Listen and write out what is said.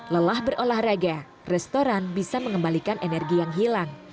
lelah berolahraga restoran bisa mengembalikan energi yang hilang